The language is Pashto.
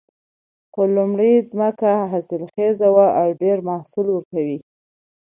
خو لومړۍ ځمکه حاصلخیزه وه او ډېر محصول ورکوي